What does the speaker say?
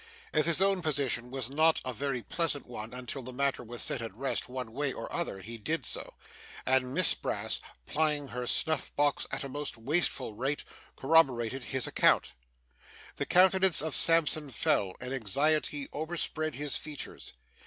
As his own position was not a very pleasant one until the matter was set at rest one way or other, he did so; and Miss Brass, plying her snuff box at a most wasteful rate, corroborated his account. The countenance of Sampson fell, and anxiety overspread his features.